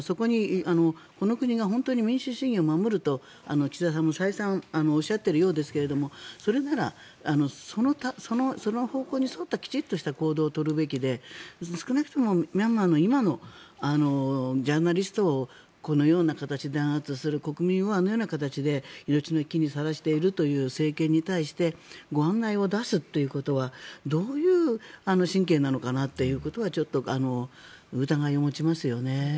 この国が本当に民主主義を守ると岸田さんも再三おっしゃっているようですがそれならその方向に沿ったきちっとした行動を取るべきで少なくともミャンマーの今のジャーナリストをこのような形で弾圧する国民をあのような形で命の危機にさらしている政権に対してご案内を出すということはどういう神経なのかなということはちょっと疑いを持ちますよね。